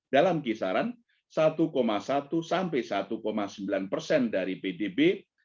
dalam kisaran satu satu sampai satu sembilan persen dari pdb